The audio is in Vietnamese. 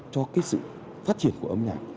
cho sự phát triển của âm nhạc